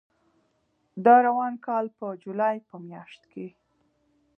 د روان کال په جولای په میاشت کې